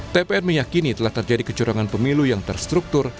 tpn meyakini telah terjadi kecurangan pemilu yang terstruktur